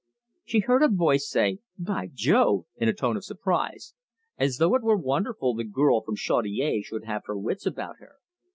She heard a voice say, "By Jove!" in a tone of surprise, as though it were wonderful the girl from Chaudiere should have her wits about her.